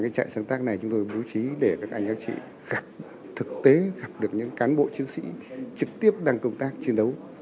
các thực tế gặp được những cán bộ chiến sĩ trực tiếp đang công tác chiến đấu